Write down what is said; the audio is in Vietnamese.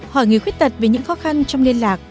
ba hỏi người khuyết tật về những khó khăn trong liên lạc